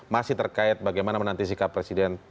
masih terkait bagaimana menantisika presiden